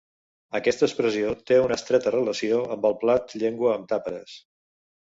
Aquesta expressió té una estreta relació amb el plat llengua amb tàperes.